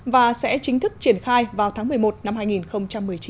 và sẽ chính thức triển khai vào tháng một mươi một năm hai nghìn một mươi chín